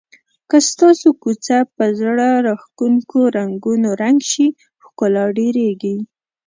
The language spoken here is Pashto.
که ستاسو کوڅه په زړه راښکونکو رنګونو رنګ شي ښکلا ډېریږي.